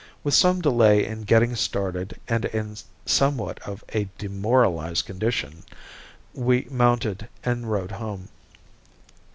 With some delay in getting started and in somewhat of a demoralized condition we mounted and rode home.